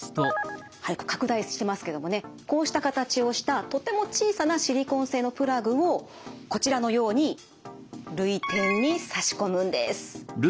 拡大してますけどもねこうした形をしたとても小さなシリコン製のプラグをこちらのように涙点に差し込むんです。